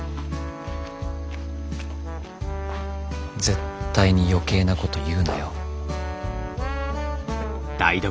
絶対に余計なこと言うなよ。